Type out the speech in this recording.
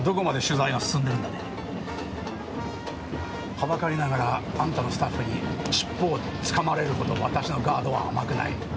はばかりながらあんたのスタッフに尻尾をつかまれるほど私のガードは甘くない。